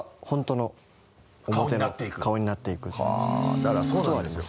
だからそうなんですよ。